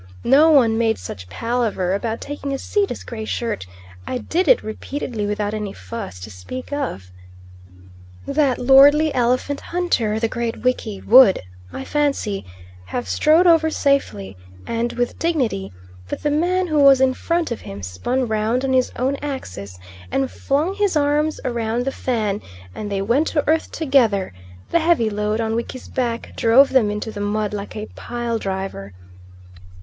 No one made such palaver about taking a seat as Gray Shirt; I did it repeatedly without any fuss to speak of. That lordly elephant hunter, the Great Wiki, would, I fancy, have strode over safely and with dignity, but the man who was in front of him spun round on his own axis and flung his arms round the Fan, and they went to earth together; the heavy load on Wiki's back drove them into the mud like a pile driver.